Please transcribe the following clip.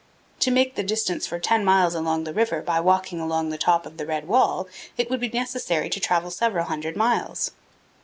To make the distance for ten miles along the river by walking along the top of the red wall, it would be necessary to travel several hundred miles.